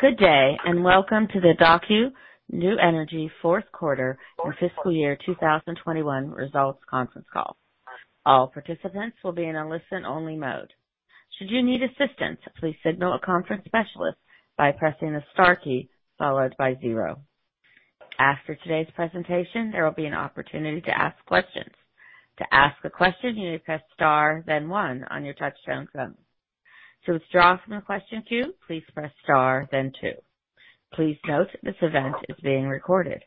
Good day, and welcome to the Daqo New Energy fourth quarter and fiscal year 2021 results conference call. All participants will be in a listen-only mode. Should you need assistance, please signal a conference specialist by pressing the star key followed by zero. After today's presentation, there will be an opportunity to ask questions. To ask a question, you need to press star then one on your touch-tone phone. To withdraw from the question queue, please press star then two. Please note that this event is being recorded.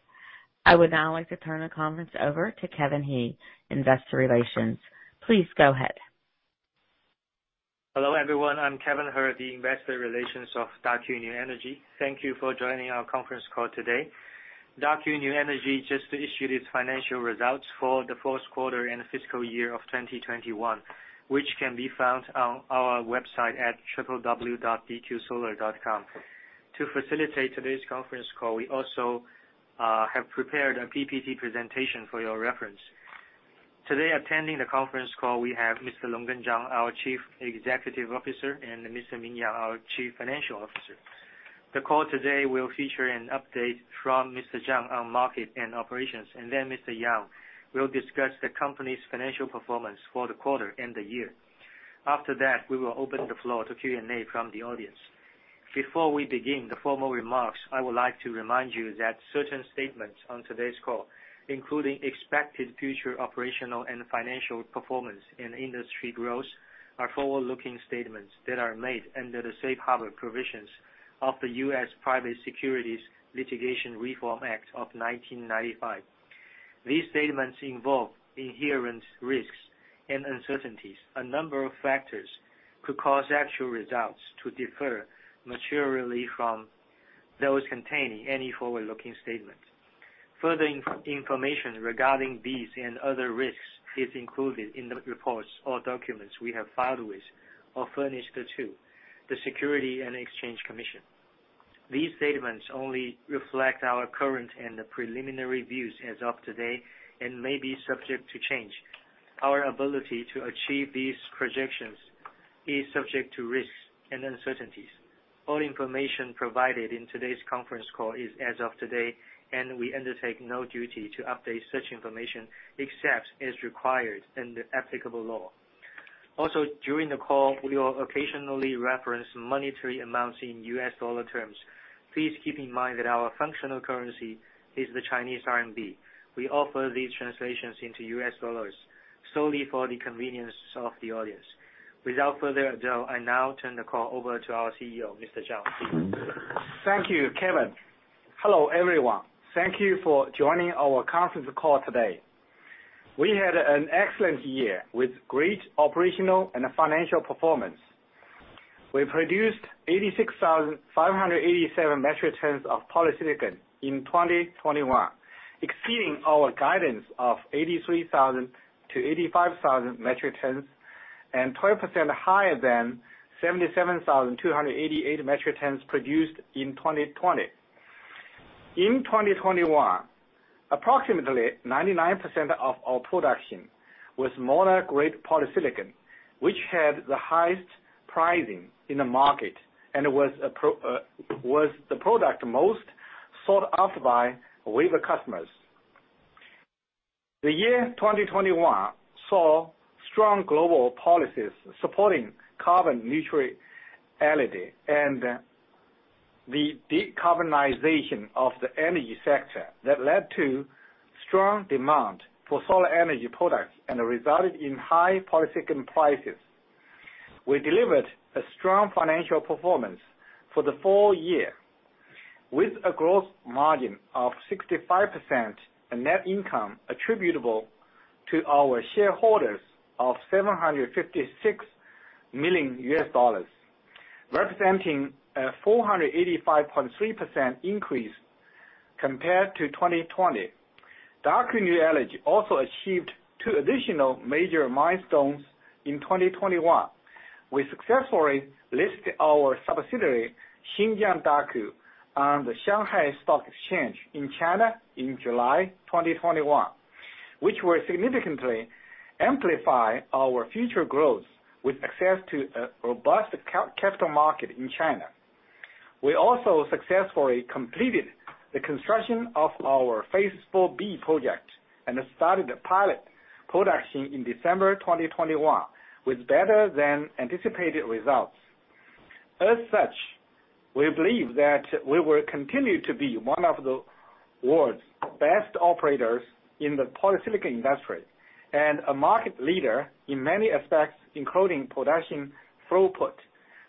I would now like to turn the conference over to Kevin He, Investor Relations. Please go ahead. Hello, everyone. I'm Kevin He, the Investor Relations of Daqo New Energy. Thank you for joining our conference call today. Daqo New Energy just issued its financial results for the fourth quarter and fiscal year of 2021, which can be found on our website at www.dqsolar.com. To facilitate today's conference call, we also have prepared a PPT presentation for your reference. Today attending the conference call we have Mr. Longgen Zhang, our Chief Executive Officer, and Mr. Ming Yang, our Chief Financial Officer. The call today will feature an update from Mr. Zhang on market and operations, and then Mr. Yang will discuss the company's financial performance for the quarter and the year. After that, we will open the floor to Q&A from the audience. Before we begin the formal remarks, I would like to remind you that certain statements on today's call, including expected future operational and financial performance and industry growth, are forward-looking statements that are made under the safe harbor provisions of the U.S. Private Securities Litigation Reform Act of 1995. These statements involve inherent risks and uncertainties. A number of factors could cause actual results to differ materially from those containing any forward-looking statement. Further information regarding these and other risks is included in the reports or documents we have filed with or furnished to the Securities and Exchange Commission. These statements only reflect our current and preliminary views as of today and may be subject to change. Our ability to achieve these projections is subject to risks and uncertainties. All information provided in today's conference call is as of today, and we undertake no duty to update such information except as required in the applicable law. Also, during the call, we will occasionally reference monetary amounts in U.S. dollar terms. Please keep in mind that our functional currency is the Chinese RMB. We offer these translations into U.S. dollars solely for the convenience of the audience. Without further ado, I now turn the call over to our CEO, Mr. Zhang. Please. Thank you, Kevin. Hello, everyone. Thank you for joining our conference call today. We had an excellent year with great operational and financial performance. We produced 86,587 metric tons of polysilicon in 2021, exceeding our guidance of 83,000-85,000 metric tons, and 12% higher than 77,288 metric tons produced in 2020. In 2021, approximately 99% of our production was mono-grade polysilicon, which had the highest pricing in the market and was the product most sought after by wafer customers. The year 2021 saw strong global policies supporting carbon neutrality and the decarbonization of the energy sector that led to strong demand for solar energy products and resulted in high polysilicon prices. We delivered a strong financial performance for the full year, with a gross margin of 65% and net income attributable to our shareholders of $756 million, representing a 485.3% increase compared to 2020. Daqo New Energy also achieved two additional major milestones in 2021. We successfully listed our subsidiary, Xinjiang Daqo, on the Shanghai Stock Exchange in China in July 2021, which will significantly amplify our future growth with access to a robust capital market in China. We also successfully completed the construction of our Phase 4B project and started pilot production in December 2021 with better than anticipated results. As such, we believe that we will continue to be one of the world's best operators in the polysilicon industry and a market leader in many aspects, including production throughput,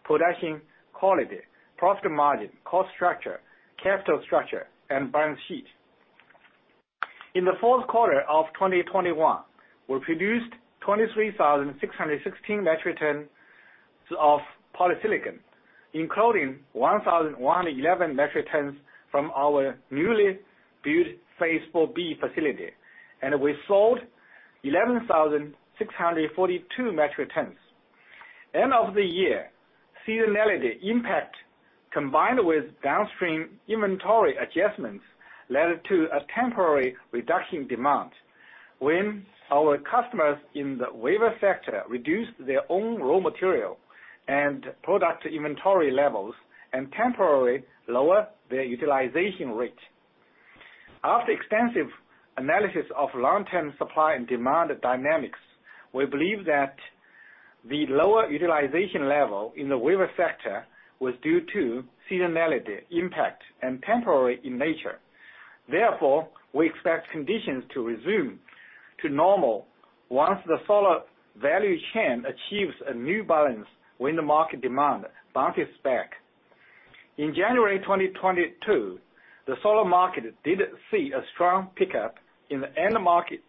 production quality, profit margin, cost structure, capital structure, and balance sheet. In the fourth quarter of 2021, we produced 23,616 metric tons of polysilicon, including 1,111 metric tons from our newly built Phase 4B facility, and we sold 11,642 metric tons. End-of-year seasonality impact, combined with downstream inventory adjustments, led to a temporary reduction in demand. When our customers in the wafer sector reduce their own raw material and product inventory levels and temporarily lower their utilization rate. After extensive analysis of long-term supply and demand dynamics, we believe that the lower utilization level in the wafer sector was due to seasonality impact and temporary in nature. Therefore, we expect conditions to resume to normal once the solar value chain achieves a new balance when the market demand bounces back. In January 2022, the solar market did see a strong pickup in the end market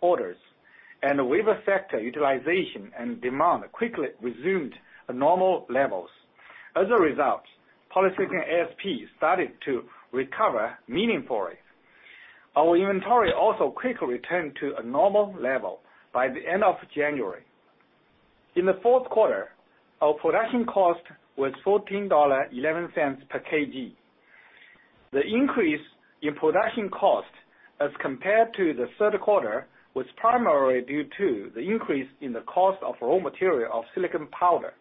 orders, and the wafer sector utilization and demand quickly resumed normal levels. As a result, polysilicon ASP started to recover meaningfully. Our inventory also quickly returned to a normal level by the end of January. In the fourth quarter, our production cost was $14.11 per kg. The increase in production cost as compared to the third quarter was primarily due to the increase in the cost of raw material of silicon powder.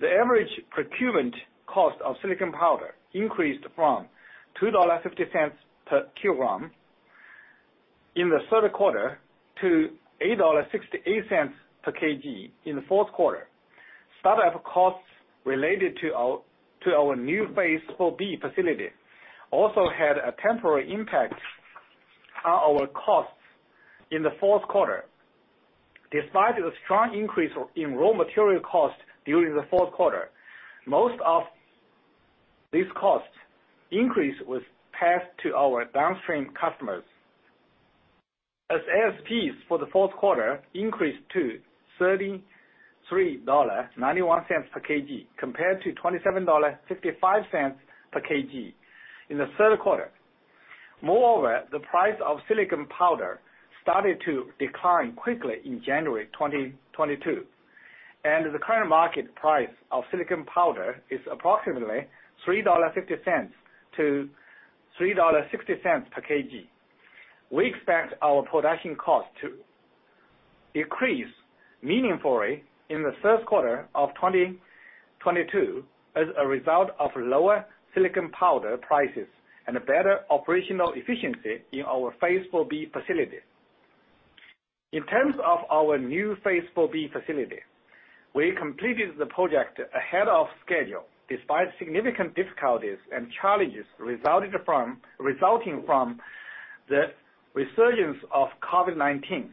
The average procurement cost of silicon powder increased from $2.50 per kilogram in the third quarter to $8.68 per kg in the fourth quarter. Start-up costs related to our new Phase 4B facility also had a temporary impact on our costs in the fourth quarter. Despite the strong increase in raw material costs during the fourth quarter, most of this cost increase was passed to our downstream customers as ASPs for the fourth quarter increased to $33.91 per kg compared to $27.55 per kg in the third quarter. Moreover, the price of silicon powder started to decline quickly in January 2022, and the current market price of silicon powder is approximately $3.50-$3.60 per kg. We expect our production cost to decrease meaningfully in the first quarter of 2022 as a result of lower silicon powder prices and a better operational efficiency in our Phase 4B facility. In terms of our new Phase 4B facility, we completed the project ahead of schedule, despite significant difficulties and challenges resulting from the resurgence of COVID-19.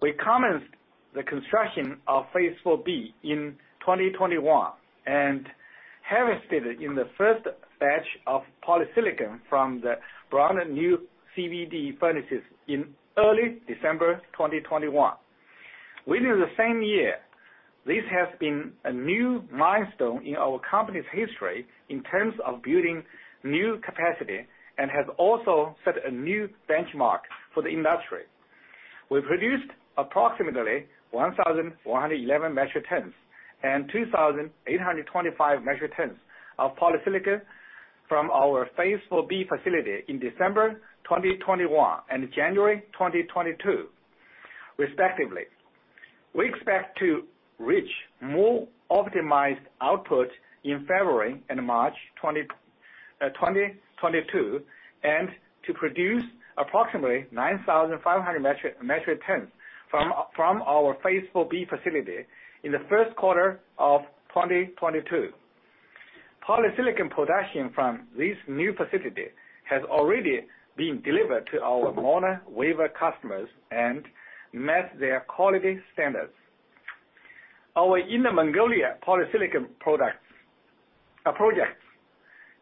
We commenced the construction of Phase 4B in 2021 and harvested in the first batch of polysilicon from the brand-new CVD furnaces in early December 2021. Within the same year, this has been a new milestone in our company's history in terms of building new capacity and has also set a new benchmark for the industry. We produced approximately 1,411 metric tons and 2,825 metric tons of polysilicon from our Phase 4B facility in December 2021 and January 2022, respectively. We expect to reach more optimized output in February and March 2022, and to produce approximately 9,500 metric tons from our Phase 4B facility in the first quarter of 2022. Polysilicon production from this new facility has already been delivered to our mono wafer customers and met their quality standards. Our Inner Mongolia polysilicon projects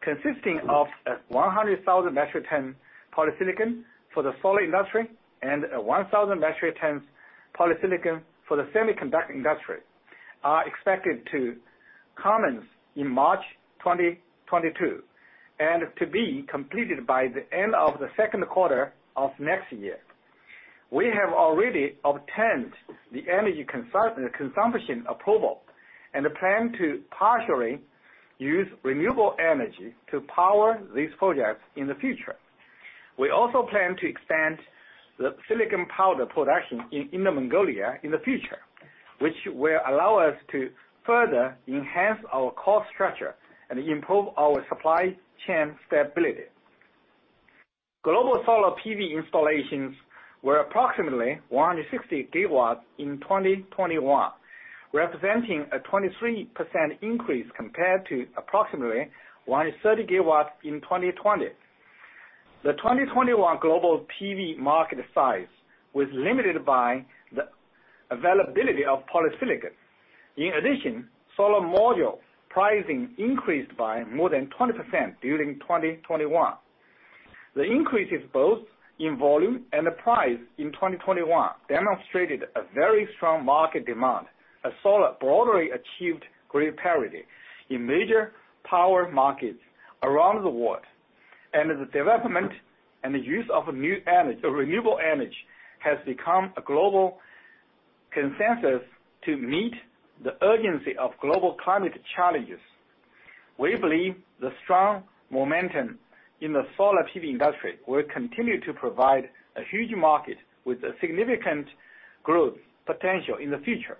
consisting of 100,000 metric ton polysilicon for the solar industry and 1,000 metric tons polysilicon for the semiconductor industry are expected to commence in March 2022, and to be completed by the end of the second quarter of next year. We have already obtained the energy consumption approval and plan to partially use renewable energy to power these projects in the future. We also plan to expand the silicon powder production in Inner Mongolia in the future, which will allow us to further enhance our cost structure and improve our supply chain stability. Global solar PV installations were approximately 160 GW in 2021, representing a 23% increase compared to approximately 130 GW in 2020. The 2021 global PV market size was limited by the availability of polysilicon. In addition, solar module pricing increased by more than 20% during 2021. The increases both in volume and price in 2021 demonstrated a very strong market demand as solar broadly achieved grid parity in major power markets around the world. The development and use of new energy, renewable energy has become a global consensus to meet the urgency of global climate challenges. We believe the strong momentum in the solar PV industry will continue to provide a huge market with a significant growth potential in the future.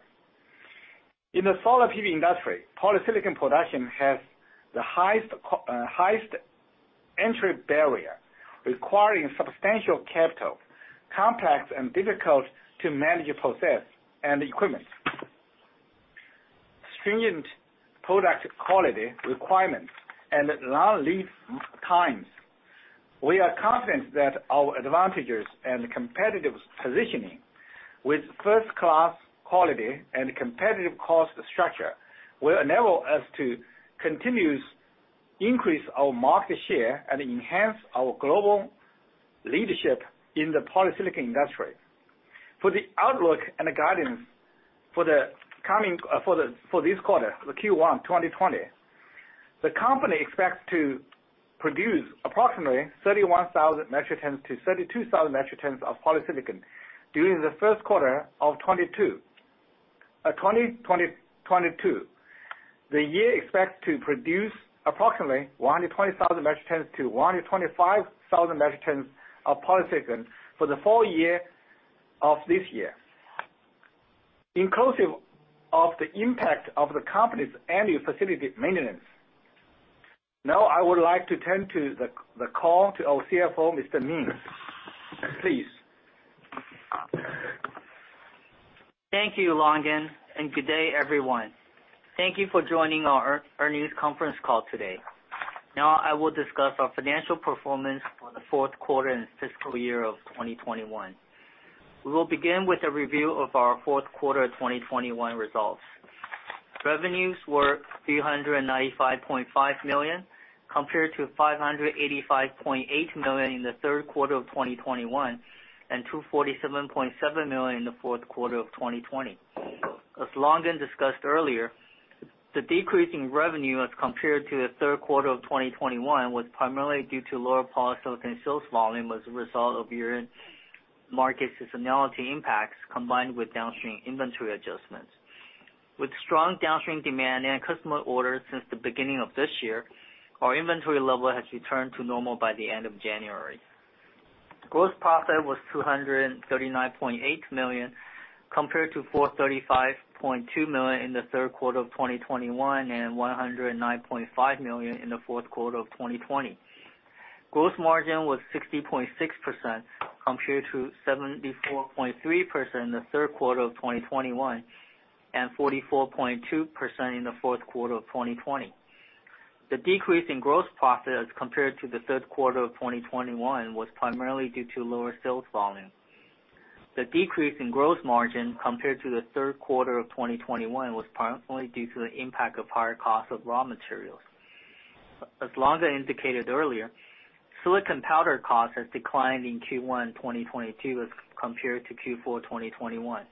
In the solar PV industry, polysilicon production has the highest entry barrier, requiring substantial capital, complex and difficult-to-manage process and equipment, stringent product quality requirements, and long lead times. We are confident that our advantages and competitive positioning with first-class quality and competitive cost structure will enable us to continuously increase our market share and enhance our global leadership in the polysilicon industry. For the outlook and the guidance for the coming. For this quarter, the Q1 2022, the company expects to produce approximately 31,000 metric tons to 32,000 metric tons of polysilicon during the first quarter of 2022. For the year, the company expects to produce approximately 120,000 metric tons to 125,000 metric tons of polysilicon for the full year of this year, inclusive of the impact of the company's annual facility maintenance. Now, I would like to turn the call to our CFO, Mr. Ming. Please. Thank you, Longgen, and good day, everyone. Thank you for joining our news conference call today. Now I will discuss our financial performance for the fourth quarter and fiscal year of 2021. We will begin with a review of our fourth quarter 2021 results. Revenues were $395.5 million, compared to $585.8 million in the third quarter of 2021, and $247.7 million in the fourth quarter of 2020. As Longgen discussed earlier, the decrease in revenue as compared to the third quarter of 2021 was primarily due to lower polysilicon sales volume as a result of year-end market seasonality impacts, combined with downstream inventory adjustments. With strong downstream demand and customer orders since the beginning of this year, our inventory level has returned to normal by the end of January. Gross profit was 239.8 million, compared to 435.2 million in the third quarter of 2021, and 109.5 million in the fourth quarter of 2020. Gross margin was 60.6%, compared to 74.3% in the third quarter of 2021, and 44.2% in the fourth quarter of 2020. The decrease in gross profit as compared to the third quarter of 2021 was primarily due to lower sales volume. The decrease in gross margin compared to the third quarter of 2021 was primarily due to the impact of higher cost of raw materials. As Longgen Zhang indicated earlier, silicon powder cost has declined in Q1 2022 as compared to Q4 2021,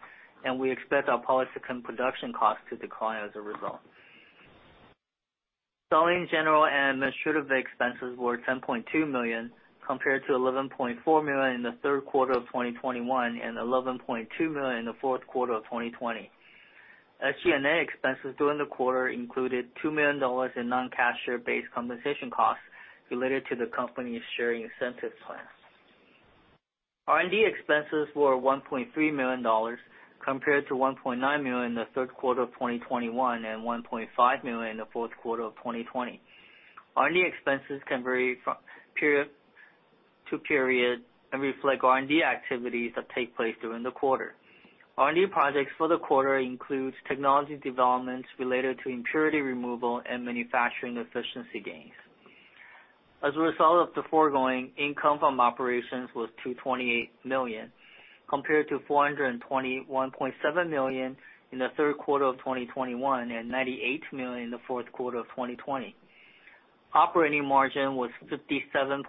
and we expect our polysilicon production cost to decline as a result. Selling, general, and administrative expenses were $10.2 million, compared to $11.4 million in the third quarter of 2021 and $11.2 million in the fourth quarter of 2020. SG&A expenses during the quarter included $2 million in non-cash share-based compensation costs related to the company's share incentives plan. R&D expenses were $1.3 million, compared to $1.9 million in the third quarter of 2021, and $1.5 million in the fourth quarter of 2020. R&D expenses can vary from period to period and reflect R&D activities that take place during the quarter. R&D projects for the quarter includes technology developments related to impurity removal and manufacturing efficiency gains. As a result of the foregoing, income from operations was $228 million, compared to $421.7 million in the third quarter of 2021, and $98 million in the fourth quarter of 2020. Operating margin was 57.7%,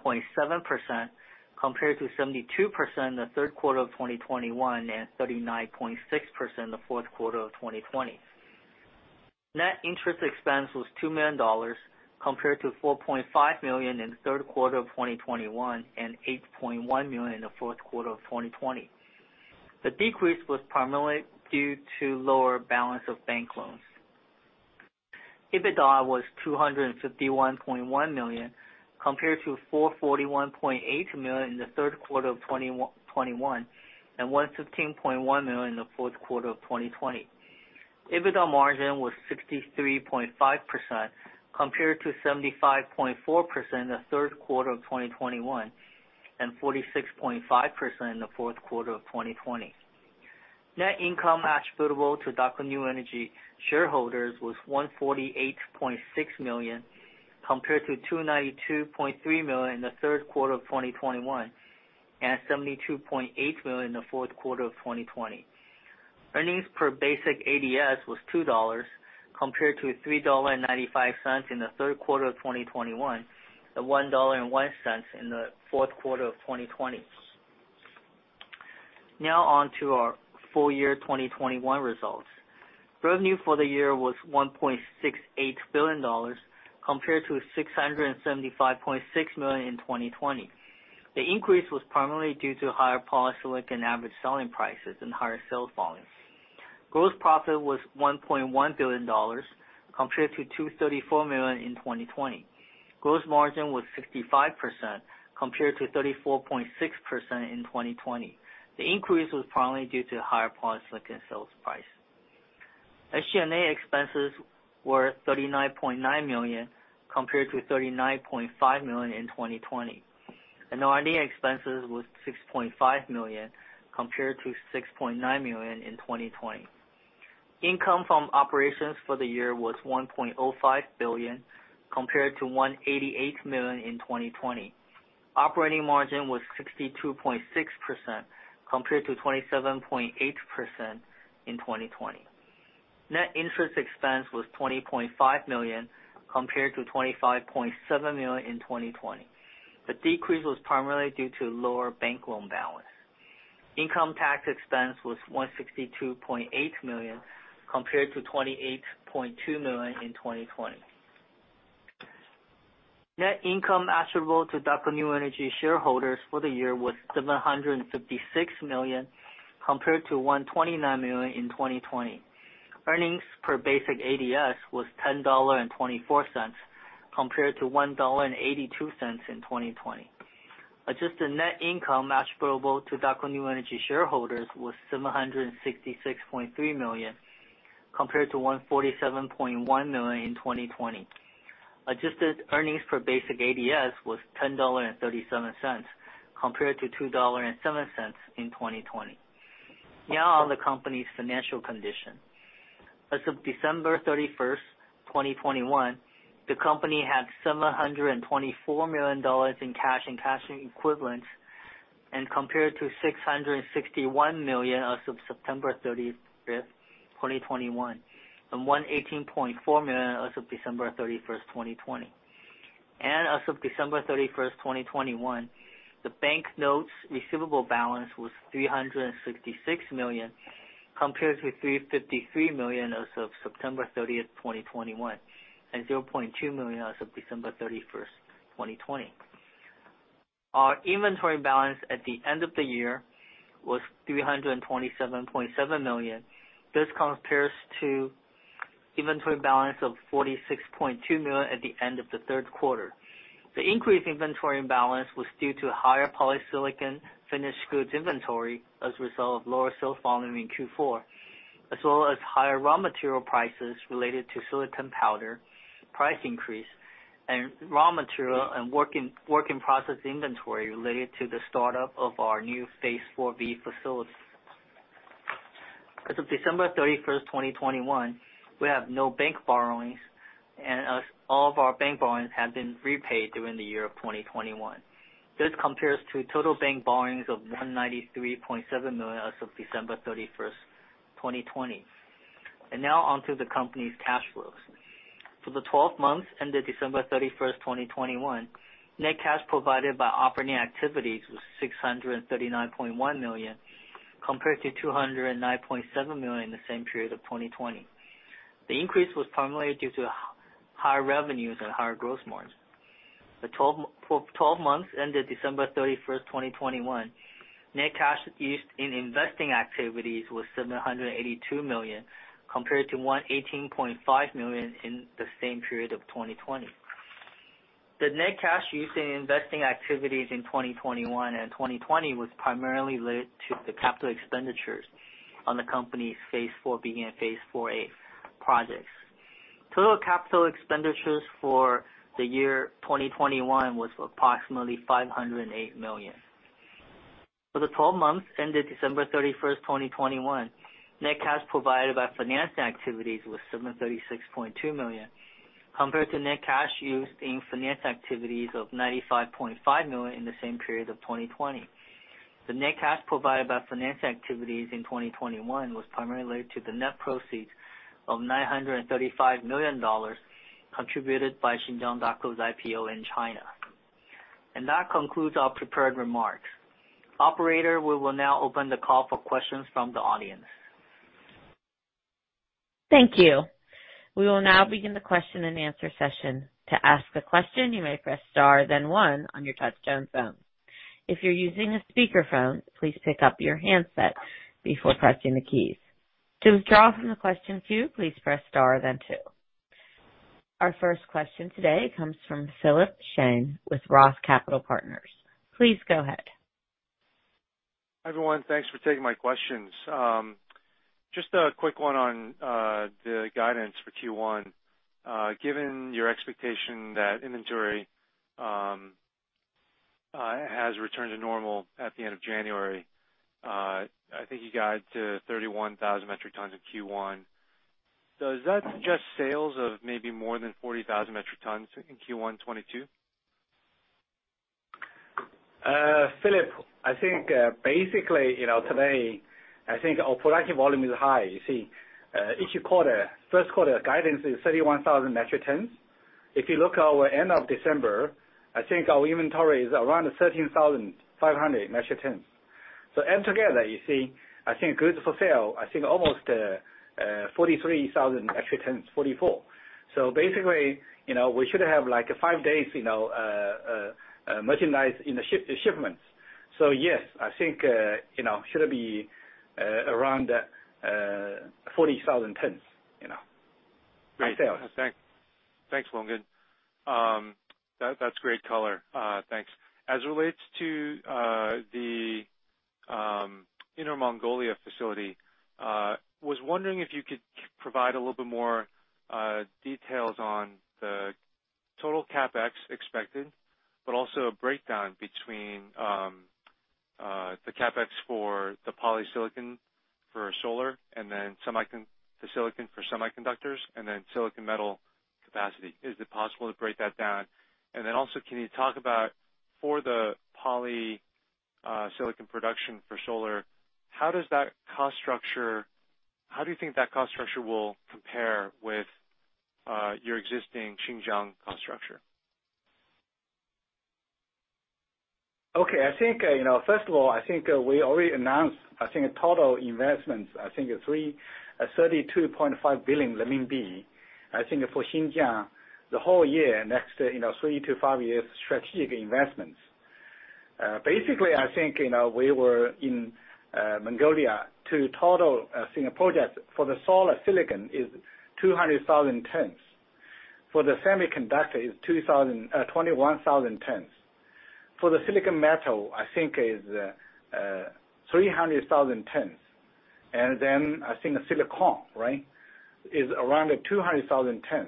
compared to 72% in the third quarter of 2021, and 39.6% in the fourth quarter of 2020. Net interest expense was $2 million, compared to $4.5 million in the third quarter of 2021, and $8.1 million in the fourth quarter of 2020. The decrease was primarily due to lower balance of bank loans. EBITDA was $251.1 million, compared to $441.8 million in the third quarter of 2021, and $115.1 million in the fourth quarter of 2020. EBITDA margin was 63.5%, compared to 75.4% in the third quarter of 2021, and 46.5% in the fourth quarter of 2020. Net income attributable to Daqo New Energy shareholders was $148.6 million, compared to $292.3 million in the third quarter of 2021, and $72.8 million in the fourth quarter of 2020. Earnings per basic ADS was $2, compared to $3.95 in the third quarter of 2021, and $1.01 in the fourth quarter of 2020. Now on to our full year 2021 results. Revenue for the year was $1.68 billion, compared to $675.6 million in 2020. The increase was primarily due to higher polysilicon average selling prices and higher sales volume. Gross profit was $1.1 billion, compared to $234 million in 2020. Gross margin was 65% compared to 34.6% in 2020. The increase was primarily due to higher polysilicon sales price. SG&A expenses were $39.9 million, compared to $39.5 million in 2020. R&D expenses was $6.5 million, compared to $6.9 million in 2020. Income from operations for the year was $1.05 billion, compared to $188 million in 2020. Operating margin was 62.6%, compared to 27.8% in 2020. Net interest expense was $20.5 million, compared to $25.7 million in 2020. The decrease was primarily due to lower bank loan balance. Income tax expense was CNY 162.8 million, compared to CNY 28.2 million in 2020. Net income attributable to Daqo New Energy shareholders for the year was 756 million, compared to 129 million in 2020. Earnings per basic ADS was $10.24, compared to $1.82 in 2020. Adjusted net income attributable to Daqo New Energy shareholders was 766.3 million, compared to 147.1 million in 2020. Adjusted earnings per basic ADS was $10.37, compared to $2.07 in 2020. Now on the company's financial condition. As of December 31st, 2021, the company had $724 million in cash and cash equivalents, compared to $661 million as of September 30th, 2021, and $118.4 million as of December 31st, 2020. As of December 31st, 2021, the bank notes receivable balance was $366 million, compared to $353 million as of September 30th, 2021, and $0.2 million as of December 31st, 2020. Our inventory balance at the end of the year was $327.7 million. This compares to inventory balance of $46.2 million at the end of the third quarter. The increased inventory balance was due to higher polysilicon finished goods inventory as a result of lower cell volume in Q4, as well as higher raw material prices related to silicon powder price increase and raw material and work in process inventory related to the startup of our new Phase 4B facility. As of December 31st, 2021, we have no bank borrowings, as all of our bank borrowings have been repaid during the year of 2021. This compares to total bank borrowings of 193.7 million as of December 31st, 2020. Now on to the company's cash flows. For the 12 months ended December 31st, 2021, net cash provided by operating activities was 639.1 million, compared to 209.7 million in the same period of 2020. The increase was primarily due to higher revenues and higher gross margin. For the twelve months ended December 31st, 2021, net cash used in investing activities was $782 million, compared to $118.5 million in the same period of 2020. The net cash used in investing activities in 2021 and 2020 was primarily related to the capital expenditures on the company's Phase 4B and Phase 4A projects. Total capital expenditures for the year 2021 was approximately $508 million. For the twelve months ended December 31st, 2021, net cash provided by financing activities was $736.2 million, compared to net cash used in financing activities of $95.5 million in the same period of 2020. The net cash provided by finance activities in 2021 was primarily related to the net proceeds of $935 million contributed by Xinjiang Daqo's IPO in China. That concludes our prepared remarks. Operator, we will now open the call for questions from the audience. Thank you. We will now begin the question-and-answer session. To ask a question, you may press star then one on your touchtone phone. If you're using a speakerphone, please pick up your handset before pressing the keys. To withdraw from the question queue, please press star then two. Our first question today comes from Philip Shen with Roth Capital Partners. Please go ahead. Hi, everyone. Thanks for taking my questions. Just a quick one on the guidance for Q1. Given your expectation that inventory has returned to normal at the end of January, I think you got to 31,000 metric tons in Q1. Does that suggest sales of maybe more than 40,000 metric tons in Q1 2022? Philip, I think, basically, you know, today, I think our production volume is high. You see, each quarter, first quarter guidance is 31,000 metric tons. If you look our end of December, I think our inventory is around 13,500 metric tons. Add together, you see, I think goods for sale, I think almost 43,000 metric tons, 44,000. Basically, you know, we should have like five days, you know, merchandise in the shipments. Yes, I think, you know, should be around 40,000 tons, you know, in sales. Great. Thanks. Thanks, Longgen. That's great color. Thanks. As it relates to the Inner Mongolia facility, was wondering if you could provide a little bit more details on the total CapEx expected, but also a breakdown between the CapEx for the polysilicon for solar and then the silicon for semiconductors, and then silicon metal capacity. Is it possible to break that down? Can you talk about for the polysilicon production for solar, how do you think that cost structure will compare with your existing Xinjiang cost structure? Okay. I think, you know, first of all, I think we already announced, I think, total investments, I think, 32.5 billion renminbi for Xinjiang the whole year, next, you know, three to five years strategic investments. Basically, I think, you know, we were in Inner Mongolia total single project for the solar silicon is 200,000 tons. For the semiconductor is 21,000 tons. For the silicon metal, I think, is 300,000 tons. Then, I think, silicon, right? Is around 200,000 tons.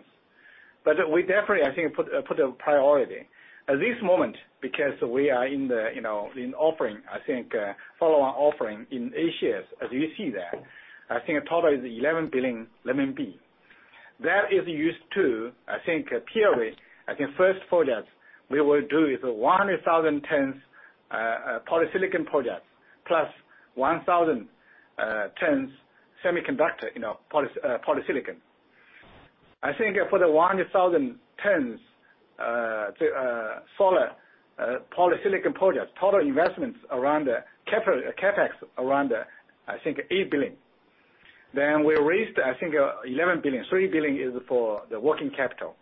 But we definitely, I think, put a priority. At this moment, because we are in the, you know, offering, I think, follow-on offering in A-shares, as you see that, I think total is 11 billion RMB. That is used to, I think, purely, the first project we will do is 100,000 tons polysilicon projects, plus 1,000 tons semiconductor in our polysilicon. I think for the 1,000 tons of solar polysilicon projects, total investments around the capital, CapEx around 8 billion. Then we raised 11 billion. 3 billion is for the working capital.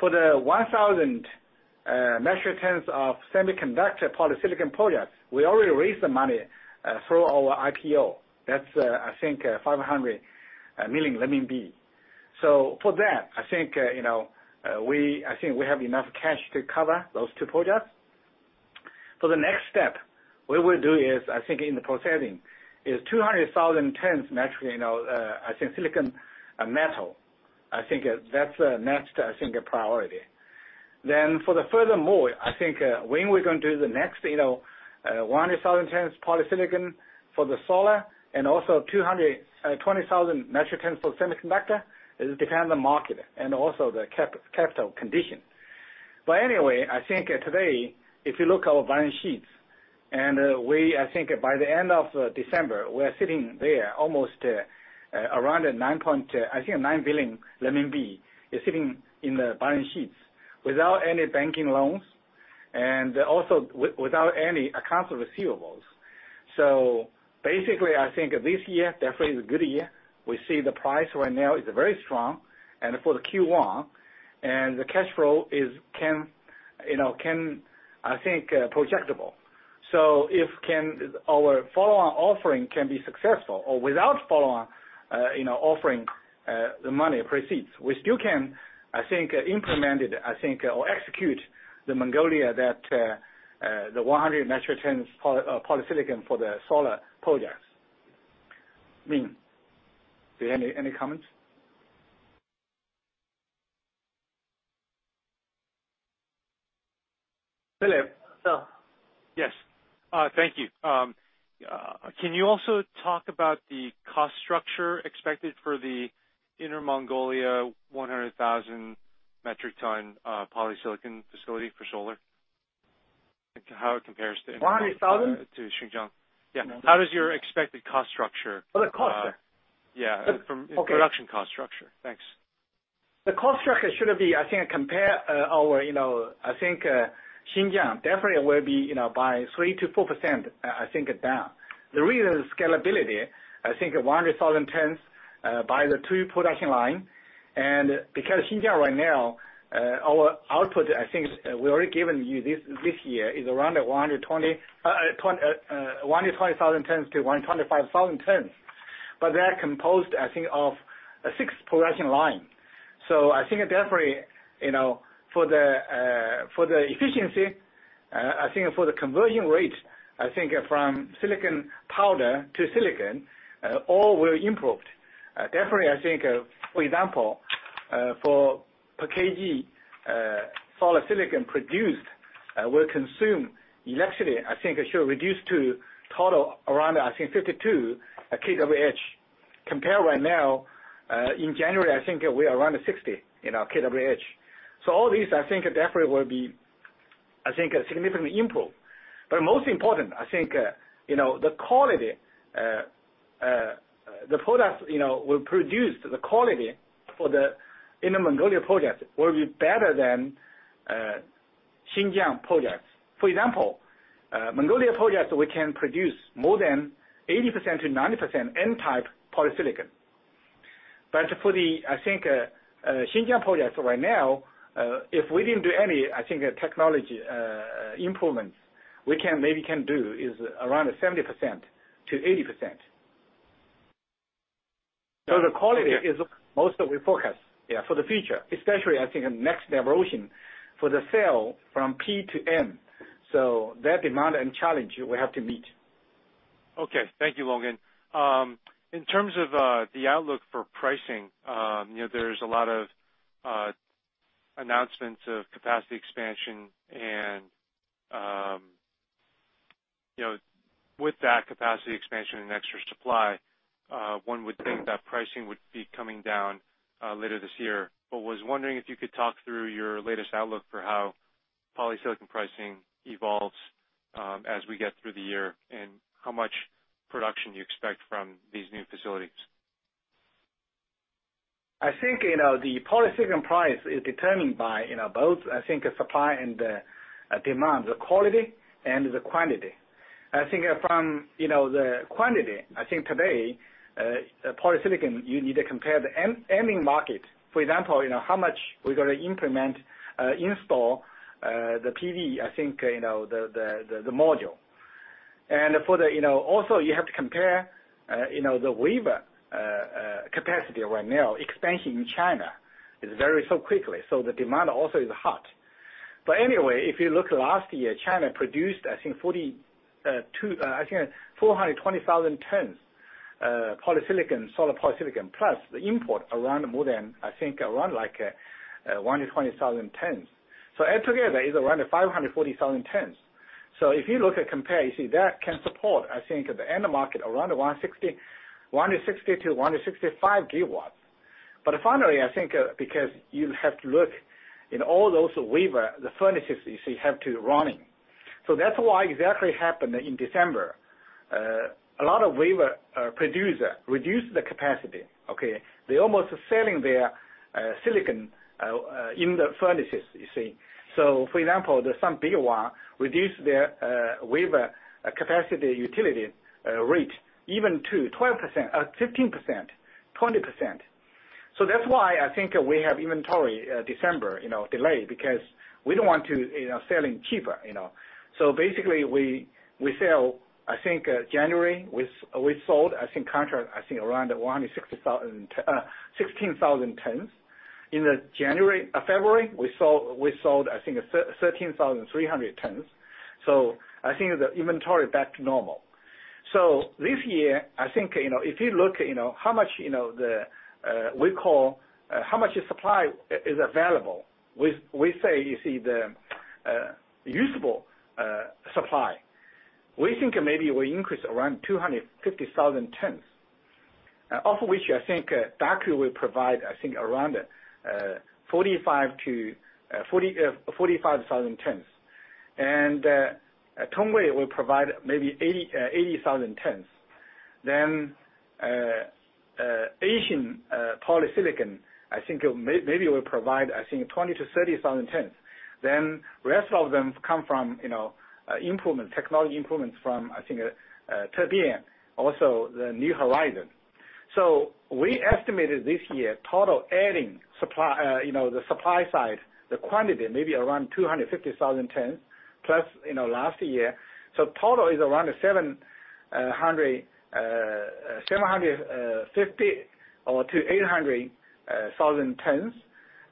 For the 1,000 metric tons of semiconductor-grade polysilicon projects, we already raised the money through our IPO. That's 500 million renminbi. So for that, I think, you know, we have enough cash to cover those two projects. For the next step, what we'll do is, I think, in the proceeding, 200,000 metric tons silicon metal. I think that's the next, I think, priority. For the furthermore, I think, when we're gonna do the next, you know, 100,000 tons polysilicon for the solar and also 20,000 metric tons for semiconductor, it depends on market and also the capital condition. Anyway, I think today, if you look our balance sheets, and we, I think, by the end of December, we're sitting there almost around at 9 billion renminbi is sitting in the balance sheets without any banking loans and also without any accounts receivable. Basically, I think this year definitely is a good year. We see the price right now is very strong, and for the Q1, and the cash flow can, you know, I think, projectable. If can. Our follow-on offering can be successful or without follow-on, you know, offering, the money proceeds, we still can, I think, implement it, I think, or execute the one in Mongolia, the 100 metric tons polysilicon for the solar projects. Ming, do you have any comments? Philip. Yes. Thank you. Can you also talk about the cost structure expected for the Inner Mongolia 100,000 metric ton polysilicon facility for solar? Like, how it compares to- 100,000? to Xinjiang. Yeah. How does your expected cost structure Oh, the cost, yeah. Yeah. Okay. Production cost structure. Thanks. The cost structure should be, I think, comparable to our, you know, I think, Xinjiang definitely will be, you know, by 3%-4%, I think, down. The reason is scalability. I think 100,000 tons by the two production lines, and because Xinjiang right now, our output, I think we already given you this year, is around 120,000-125,000 tons. That comprises, I think, of six production lines. I think definitely, you know, for the efficiency, I think for the conversion rate, I think from silicon powder to silicon, all were improved. Definitely, I think for example, for per kg solar silicon produced will consume electricity. I think it should reduce to total around, I think, 52 kWh. Compared to right now in January, I think we are around 60, you know, kWh. All these, I think, definitely will be, I think, a significant improvement. Most important, I think, you know, the quality, the products, you know, will produce the quality for the Inner Mongolia projects will be better than Xinjiang projects. For example, Mongolia projects we can produce more than 80%-90% N-type polysilicon. For the, I think, Xinjiang project right now, if we didn't do any, I think, technology improvements, we can maybe do is around 70%-80%. The quality is most of what we forecast, yeah, for the future, especially I think next generation for the cell from P to N. That demand and challenge we have to meet. Okay. Thank you, Longgen. In terms of the outlook for pricing, you know, there's a lot of announcements of capacity expansion and, you know, with that capacity expansion and extra supply, one would think that pricing would be coming down later this year. Was wondering if you could talk through your latest outlook for how polysilicon pricing evolves as we get through the year, and how much production you expect from these new facilities. I think, you know, the polysilicon price is determined by, you know, both, I think, supply and demand, the quality and the quantity. I think from, you know, the quantity, I think today polysilicon, you need to compare the end market. For example, you know, how much we're gonna install the PV, I think, you know, the module. Also, you have to compare, you know, the wafer capacity right now. Expansion in China is very quickly, so the demand also is hot. Anyway, if you look last year, China produced, I think, 420,000 tons polysilicon, solar polysilicon, plus the import around more than, I think around like 120,000 tons. Altogether is around 540,000 tons. If you look at compare, you see that can support, I think the end market around 160-165 GW. But finally, I think, because you have to look in all those wafer, the furnaces, you see, have to running. That's why exactly happened in December. A lot of wafer producer reduced the capacity, okay? They're almost selling their silicon in the furnaces, you see. For example, there's some bigger one reduce their wafer capacity utilization rate even to 12%, 15%, 20%. That's why I think we have inventory December, you know, delay because we don't want to, you know, selling cheaper, you know. Basically we sell, I think, in January we sold I think contract around 16,000 tons. In February we sold I think 13,300 tons. I think the inventory back to normal. This year, I think, you know, if you look, you know, how much, you know, the we call how much supply is available, we say you see the usable supply. We think maybe we increase around 250,000 tons, of which I think Daqo will provide I think around 45,000 tons. Tongwei will provide maybe 80,000 tons. Asia Silicon I think maybe will provide I think 20,000-30,000 tons. The rest of them come from, you know, technology improvements from, I think, Tongwei, also the New Horizon. We estimated this year total adding supply, you know, the supply side, the quantity, maybe around 250,000 tons, plus, you know, last year. Total is around 750-800,000 tons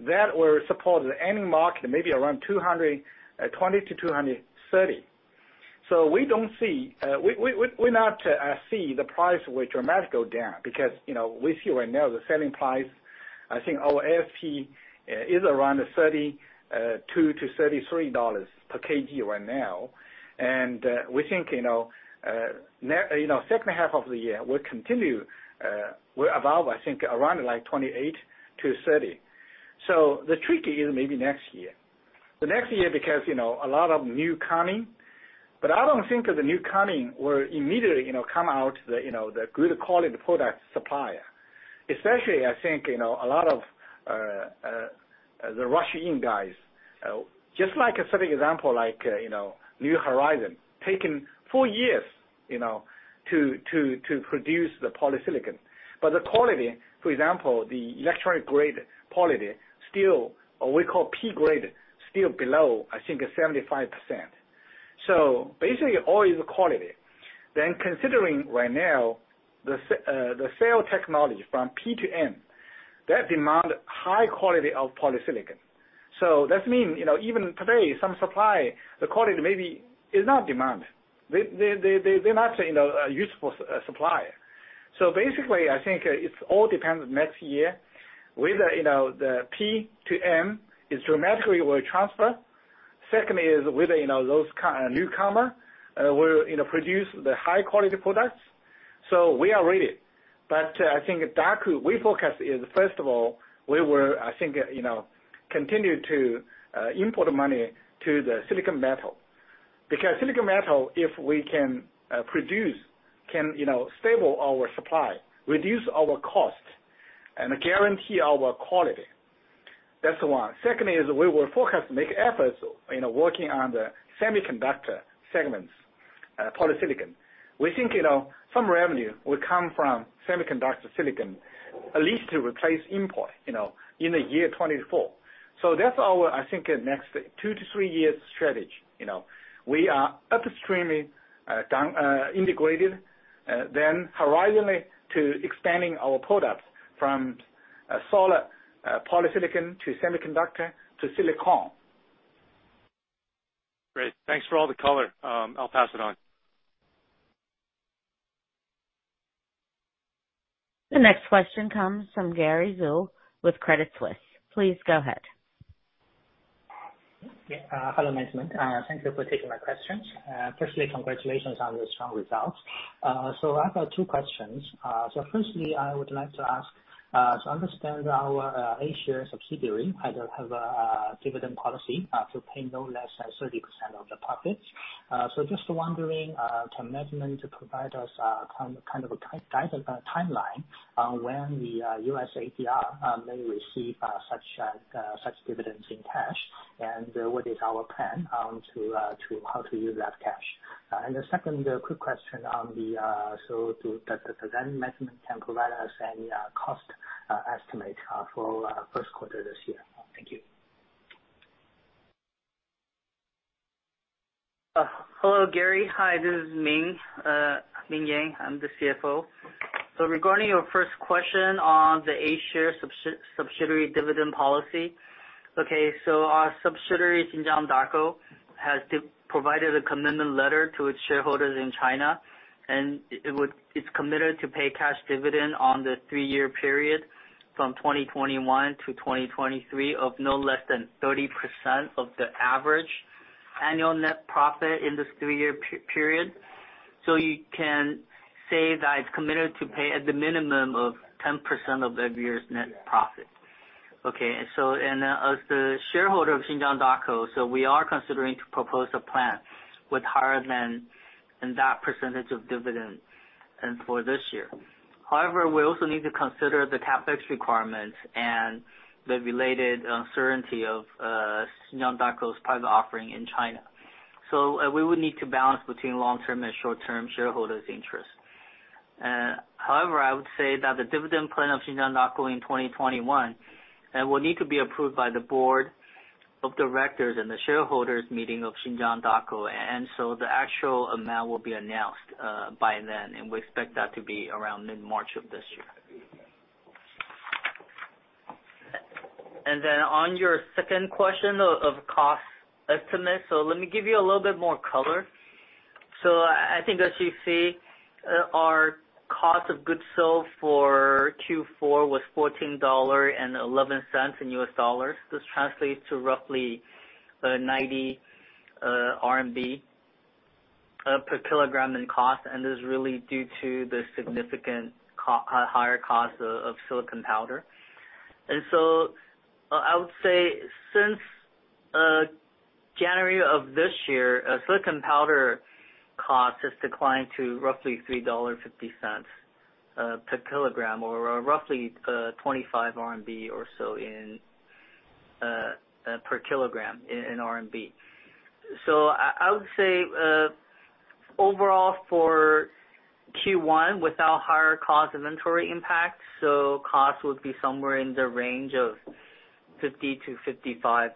that will support the end market, maybe around 220-230. We don't see the price will dramatically go down because, you know, we see right now the selling price, I think our ASP is around $32-$33 per kg right now. We think, you know, second half of the year will continue, will evolve, I think, around like 28-30. So the tricky is maybe next year. The next year because you know a lot of new coming, but I don't think the new coming will immediately, you know, come out the, you know, the good quality product supplier. Especially I think, you know, a lot of the rush in guys, just like a certain example, like, you know, New Horizon, taking four years, you know, to produce the polysilicon. But the quality, for example, the electronic-grade quality, still, or we call P grade, still below, I think, 75%. So basically all is quality. Then considering right now the cell technology from P-type to N-type, that demand high quality of polysilicon. That means, you know, even today some supply, the quality may be not in demand. They not, you know, a useful supply. Basically I think it all depends next year whether, you know, the P to N will dramatically transfer. Second is whether, you know, those kind of newcomers will, you know, produce the high quality products. We are ready. But I think at Daqo, our forecast is first of all, we will, I think, you know, continue to invest money in the silicon metal. Because silicon metal, if we can produce, you know, stabilize our supply, reduce our cost, and guarantee our quality. That's the one. Secondly is we will focus to make efforts in working on the semiconductor segments, polysilicon. We think, you know, some revenue will come from semiconductor silicon, at least to replace import, you know, in the year 2024. That's our, I think, next two to three years strategy, you know. We are upstream, downstream integrated, then horizontally expanding our products from solar polysilicon to semiconductor silicon. Great. Thanks for all the color. I'll pass it on. The next question comes from Gary Zhou with Credit Suisse. Please go ahead. Yeah. Hello, management. Thank you for taking my questions. I've got two questions. Firstly, I would like to ask to understand our A-share subsidiary has a dividend policy to pay no less than 30% of the profits. Just wondering, can management provide us kind of a guidance or a timeline on when the U.S. ADR may receive such dividends in cash, and what is our plan to how to use that cash? And the second quick question on the. Does the management can provide us any cost estimate for first quarter this year? Thank you. Hello, Gary. Hi, this is Ming Yang. I'm the CFO. Regarding your first question on the A-share subsidiary dividend policy. Our subsidiary, Xinjiang Daqo, has provided a commitment letter to its shareholders in China, and it's committed to pay cash dividend on the three-year period from 2021 to 2023 of no less than 30% of the average annual net profit in this three-year period. You can say that it's committed to pay at the minimum of 10% of every year's net profit. As the shareholder of Xinjiang Daqo, we are considering to propose a plan with higher than that percentage of dividend for this year. However, we also need to consider the CapEx requirements and the related uncertainty of Xinjiang Daqo's private offering in China. We would need to balance between long-term and short-term shareholders interest. However, I would say that the dividend plan of Xinjiang Daqo in 2021 will need to be approved by the board of directors and the shareholders meeting of Xinjiang Daqo. The actual amount will be announced by then, and we expect that to be around mid-March of this year. On your second question of cost estimate, let me give you a little bit more color. I think as you see, our cost of goods sold for Q4 was $14.11 in US dollars. This translates to roughly 90 RMB per kg in cost, and is really due to the significantly higher cost of silicon powder. I would say since January of this year, silicon powder cost has declined to roughly $3.50 per kg or roughly 25 RMB or so per kg in RMB. I would say overall for Q1 without higher cost inventory impact, cost would be somewhere in the range of 50-55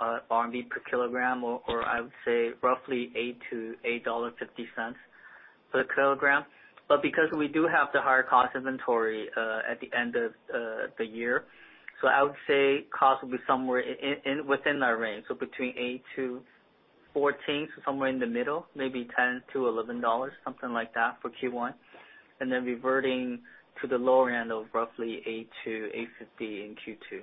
RMB per kg or I would say roughly $8-$8.50 per kg. Because we do have the higher cost inventory at the end of the year, I would say cost will be somewhere within that range. Between $8-$14, somewhere in the middle, maybe $10-$11, something like that for Q1, and then reverting to the lower end of roughly $8-$8.50 in Q2.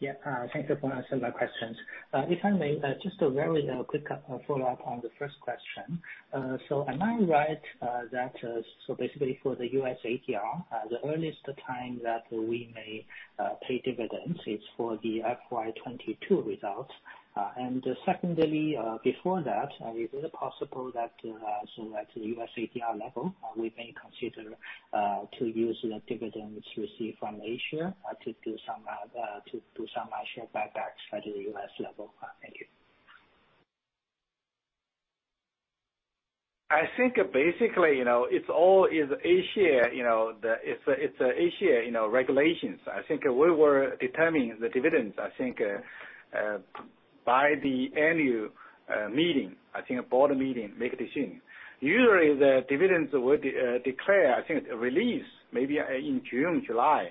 Yeah. Thank you for answering my questions. If I may, just a very quick follow-up on the first question. So am I right that so basically for the U.S. ADR, the earliest time that we may pay dividends is for the FY 2022 results? And secondly, before that, is it possible that so at US ADR level, we may consider to use the dividends received from A-share to do some A-share buybacks at the U.S. level? Thank you. I think basically, you know, it's A-share regulations. I think we will determine the dividends by the annual meeting. I think a board meeting make a decision. Usually, the dividends would declare, release maybe in June, July.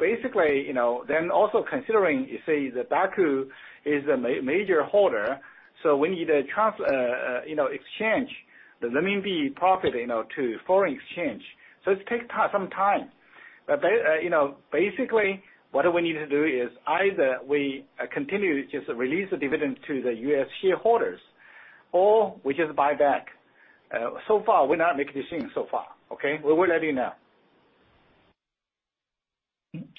Basically, you know, then also considering, say, the Daqo is a major holder, so we need to exchange the RMB profit, you know, to foreign exchange. It takes time, some time. You know, basically, what do we need to do is either we continue to just release the dividend to the U.S. shareholders, or we just buy back. So far, we're not making decisions so far, okay? We will let you know.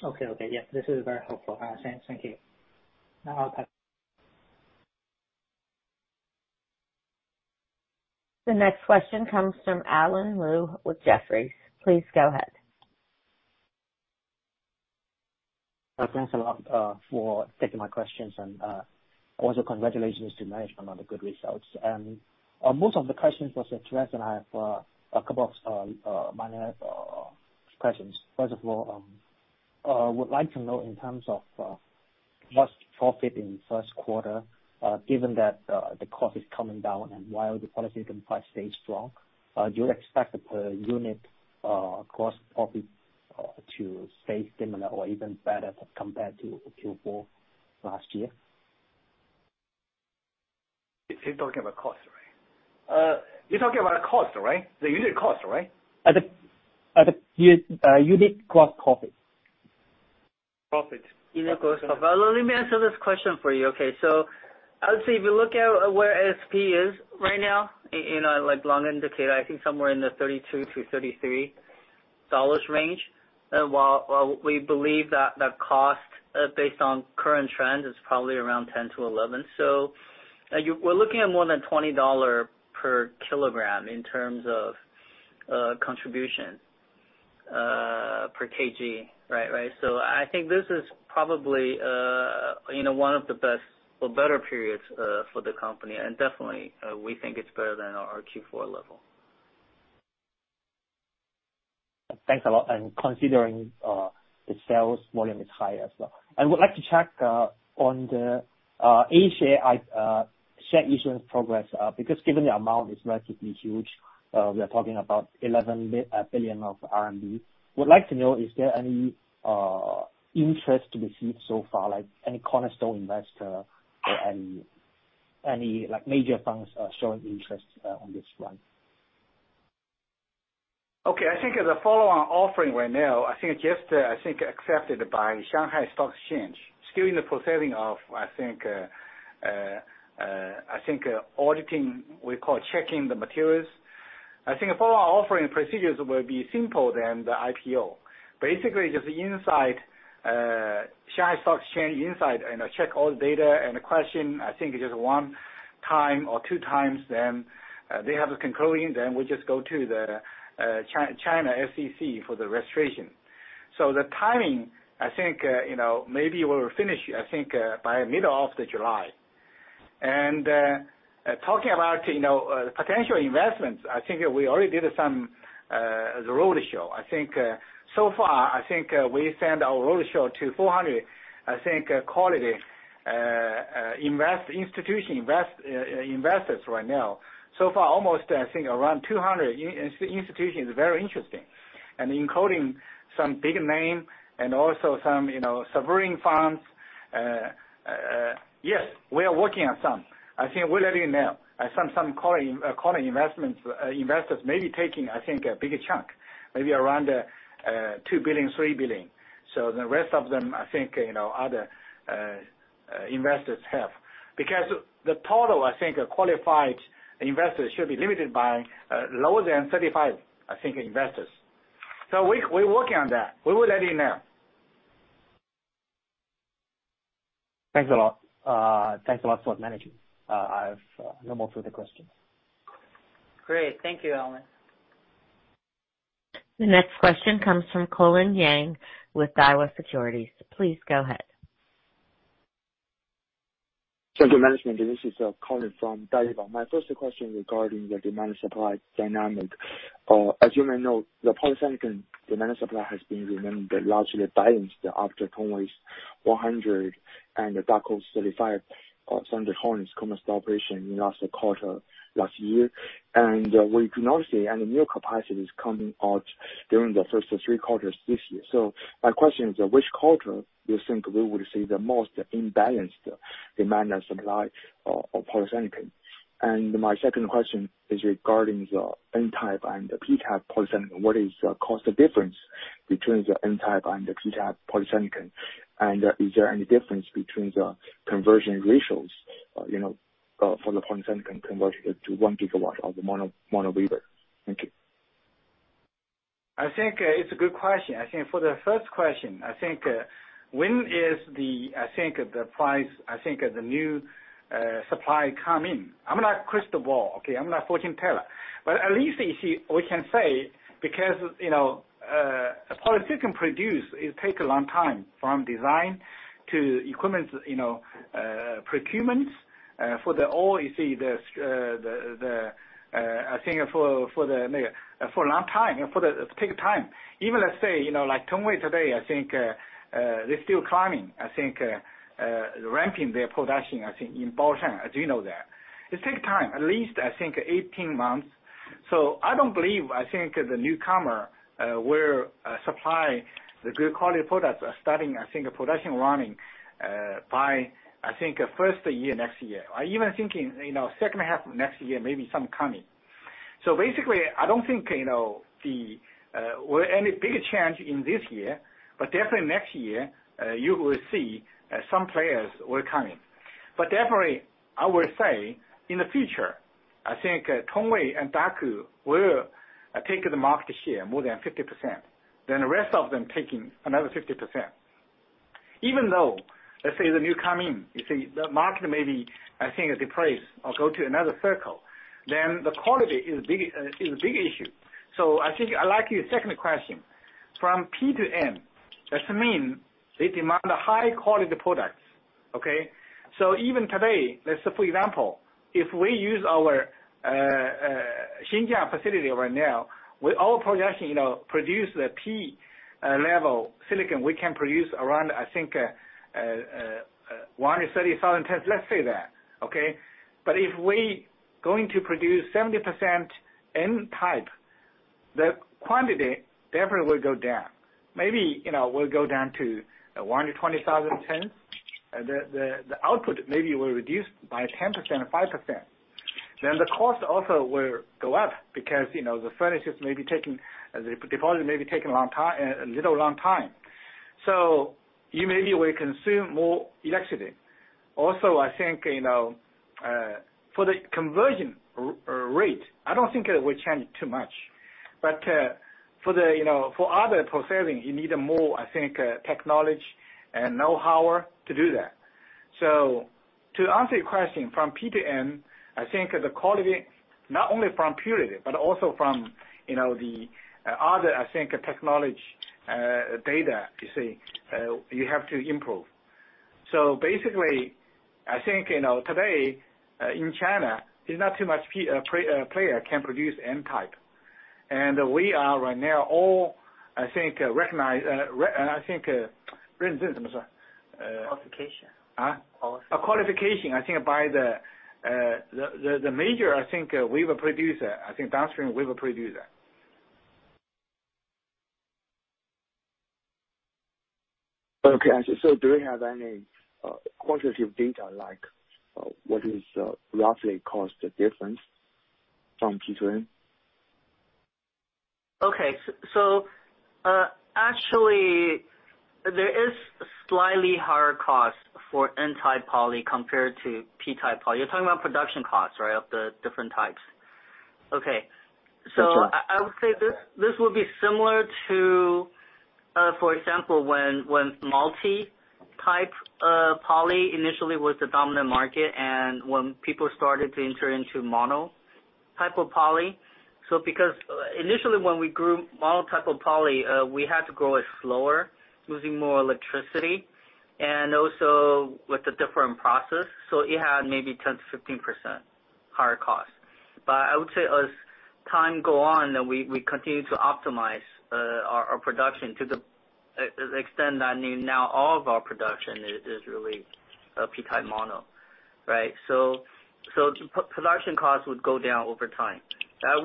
Okay. Yeah. This is very helpful. Thanks. Thank you. Now I'll pass it back. The next question comes from Alan Lau with Jefferies. Please go ahead. Thanks a lot for taking my questions and also congratulations to management on the good results. Most of the questions was addressed, and I have a couple of minor questions. First of all, I would like to know in terms of net profit in first quarter, given that the cost is coming down and while the polysilicon price stays strong, do you expect the per unit gross profit to stay similar or even better compared to Q4 last year? He's talking about cost, right? You're talking about cost, right? The unit cost, right? The unit cost profit. Profit. Unit cost profit. Let me answer this question for you, okay? I would say if you look at where ASP is right now in a like long indicator, I think somewhere in the $32-$33 range, while we believe that the cost, based on current trends, is probably around $10-$11. We're looking at more than $20 per kg in terms of contribution per kg, right? I think this is probably, you know, one of the best or better periods for the company, and definitely we think it's better than our Q4 level. Thanks a lot. Considering the sales volume is high as well. I would like to check on the A-share issuance progress because given the amount is relatively huge, we are talking about 11 billion RMB. Would like to know, is there any interest received so far, like any cornerstone investor or any major funds showing interest on this front? Okay, I think the follow-on offering right now is just accepted by Shanghai Stock Exchange. Still in the process of, I think, auditing, we call checking the materials. I think follow-on offering procedures will be simpler than the IPO. Basically, just inside Shanghai Stock Exchange inside and check all data, and the question I think is just one time or two times, then they have the conclusion, then we just go to the China CSRC for the registration. The timing, I think, you know, maybe we'll finish by middle of July. Talking about, you know, potential investments, I think we already did some of the roadshow. I think so far I think we send our roadshow to 400 quality institutional investors right now. So far almost I think around 200 institutions very interested. Including some big name and also some you know sovereign funds. Yes we are working on some. I think we'll let you know. Some core investors may be taking I think a bigger chunk maybe around $2 billion-$3 billion. The rest of them I think you know other investors have. Because the total I think qualified investors should be limited by lower than 35 investors. We're working on that. We will let you know. Thanks a lot. Thanks a lot for managing. I've no more further questions. Great. Thank you, Alan. The next question comes from Colin Yang with Daiwa Securities. Please go ahead. Thank you, management. This is Colin from Daiwa. My first question regarding the demand-supply dynamic. As you may know, the polysilicon demand supply has remained largely balanced after Tongwei's 100 and the Daqo 35 standard tons commenced operation in last quarter last year. We cannot see any new capacities coming out during the first three quarters this year. My question is which quarter you think we will see the most imbalanced demand and supply of polysilicon? My second question is regarding the N-type and the P-type polysilicon. What is the cost difference between the N-type and the P-type polysilicon? Is there any difference between the conversion ratios, you know, for the polysilicon conversion to 1 gigawatt of mono wafer? Thank you. I think it's a good question. I think for the first question, when is the new supply come in? I'm not crystal ball, okay? I'm not fortune teller. At least you see, we can say because, you know, polysilicon produce, it take a long time from design to equipment, you know, procurements. It take time. Even let's say, you know, like Tongwei today, I think, they're still climbing. I think ramping their production, I think, in Baotou, as you know that. It take time, at least I think 18 months. I don't believe, I think, the newcomers will supply good quality products are starting a production running by first half next year, or even, you know, second half of next year, maybe some coming. Basically, I don't think, you know, the or any big change this year, but definitely next year you will see some players will come. But definitely, I will say, in the future, I think, Tongwei and Daqo will take the market share more than 50%, then the rest of them taking another 50%. Even though, let's say the newcomers come in, you see the market may be, I think, depressed or go to another cycle, then the quality is a big issue. I think I like your second question. From P to N, that mean they demand high quality products, okay? Even today, let's say for example, if we use our Xinjiang facility right now, with all production, you know, produce the P level silicon, we can produce around, I think, 130,000 tons, let's say that. Okay? If we going to produce 70% N type, the quantity definitely will go down. Maybe, you know, will go down to 120,000 tons. The output maybe will reduce by 10% or 5%. The cost also will go up because, you know, the furnaces may be taking longer. The deposition may be taking a little longer time. You maybe will consume more electricity. I think, you know, for the conversion rate, I don't think it will change too much. For the, you know, for other processing, you need more, I think, technology and know-how to do that. To answer your question, from P-type to N-type, I think the quality, not only from purity, but also from, you know, the other, I think, technology, data, you see, you have to improve. Basically, I think, you know, today, in China, there's not too many players can produce N-type. We are right now also recognized. I think, Qualification. Huh? Qualification. A qualification, I think, by the major, I think, wafer producer. I think downstream wafer producer. Okay. Do you have any quantitative data like what is roughly cost difference from P to N? Okay. Actually there is slightly higher cost for N-type poly compared to P-type poly. You're talking about production costs, right, of the different types? Okay. That's right. I would say this would be similar to, for example, when multi-type poly initially was the dominant market and when people started to enter into mono type of poly. Because initially when we grew mono type of poly, we had to grow it slower, using more electricity and also with a different process. It had maybe 10%-15% higher cost. I would say as time go on, we continue to optimize our production to the extent that, I mean, now all of our production is really P-type mono, right? Production costs would go down over time.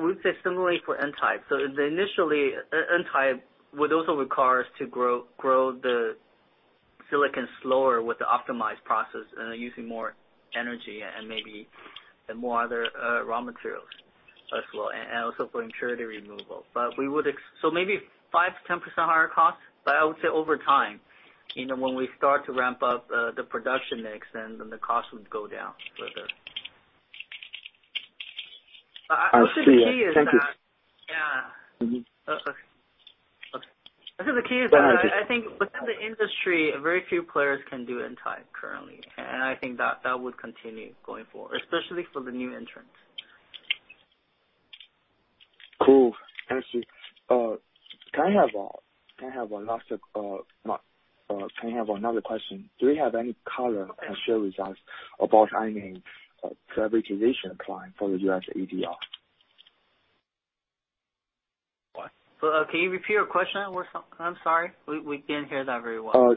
We'd say similarly for N-type. Initially, N-type would also require us to grow the silicon slower with the optimized process, and then using more energy and maybe the more other raw materials as well, and also for impurity removal. Maybe 5%-10% higher cost. I would say over time, you know, when we start to ramp up the production mix, then the cost would go down further. I see. Thank you. Yeah. Okay. I think the key is that. Yeah, I just. I think within the industry, very few players can do N-type currently, and I think that would continue going forward, especially for the new entrants. Cool. I see. Can I have another question? Do you have any color to share with us about any privatization plan for the U.S. ADR? What? Can you repeat your question one second? I'm sorry. We didn't hear that very well.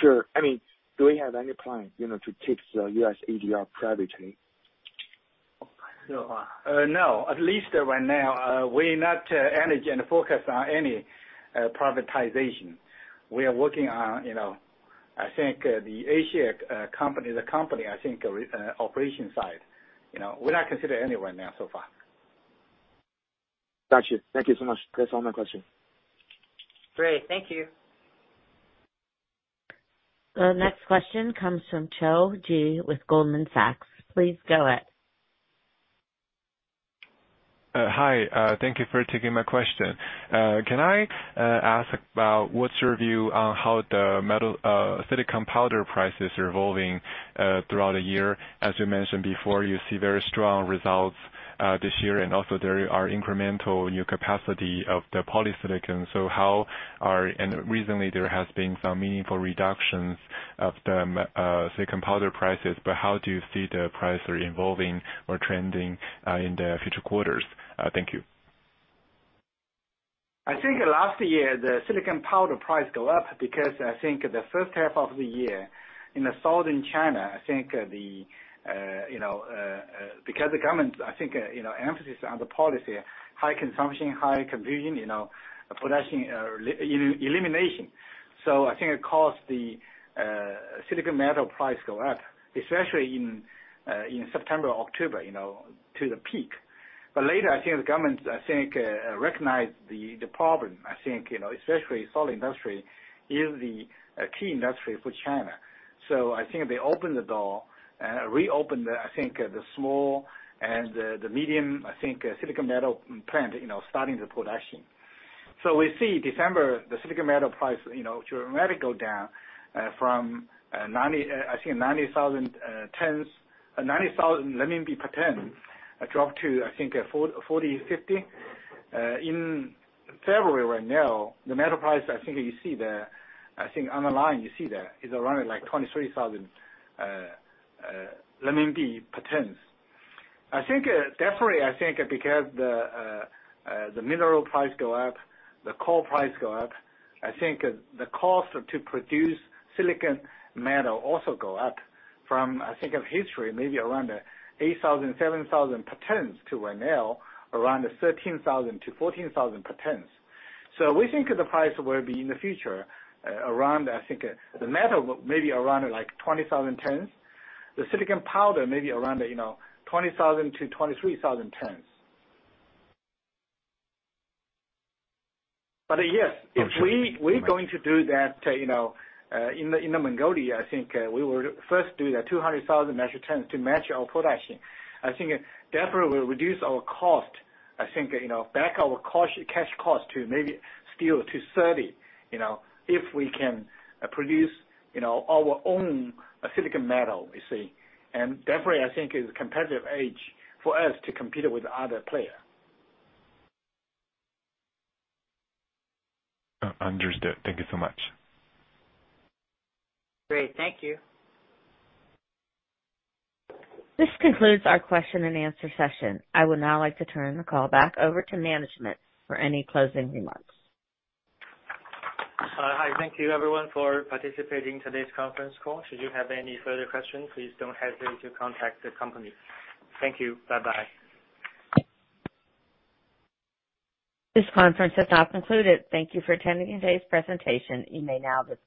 Sure. I mean, do you have any plan, you know, to take the U.S. ADR privately? No. At least right now, we're not energy and focus on any privatization. We are working on, you know, I think, the Asian company, I think, operation side. You know, we're not considering anywhere now so far. Got you. Thank you so much. That's all my question. Great. Thank you. The next question comes from Joe Ji with Goldman Sachs. Please go ahead. Hi. Thank you for taking my question. Can I ask about what's your view on how the metallurgical silicon powder prices are evolving throughout the year? As you mentioned before, you see very strong results this year, and also there are incremental new capacity of the polysilicon. Recently there has been some meaningful reductions of the silicon powder prices, but how do you see the price are evolving or trending in the future quarters? Thank you. I think last year the silicon powder price go up because I think the first half of the year in the southern China, I think, you know, because the government, I think, you know, emphasis on the policy, high consumption, high conversion, you know, production elimination. I think it caused the silicon metal price go up, especially in September, October, you know, to the peak. Later, I think the government, I think, recognized the problem. I think, you know, especially solar industry is the key industry for China. I think they reopened the small and medium silicon metal plant, you know, starting the production. We see December, the silicon metal price, you know, dramatically go down from 90,000 RMB per ton, drop to, I think, 440-450. In February right now, the metal price, I think you see the. I think online, you see that is around like 23,000 renminbi per tons. I think definitely, I think because the mineral price go up, the coal price go up, I think the cost to produce silicon metal also go up from, I think of history, maybe around 8,000, 7,000 per tons to right now around 13,000-14,000 per tons. We think the price will be in the future around, I think, the metal, maybe around like 20,000 tons. The silicon powder, maybe around, you know, 20,000-23,000 tons. If we're going to do that, you know, in Inner Mongolia, I think, we will first do the 200,000 metric tons to match our production. I think it definitely will reduce our cost. I think, you know, bring our cash cost back to maybe 30, you know, if we can produce, you know, our own silicon metal, you see. Definitely, I think it's a competitive edge for us to compete with other players. Understood. Thank you so much. Great. Thank you. This concludes our question and answer session. I would now like to turn the call back over to management for any closing remarks. Hi. Thank you everyone for participating in today's conference call. Should you have any further questions, please don't hesitate to contact the company. Thank you. Bye-bye. This conference has now concluded. Thank you for attending today's presentation. You may now dis-